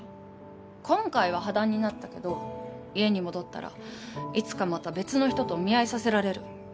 今回は破談になったけど家に戻ったらいつかまた別の人とお見合いさせられる。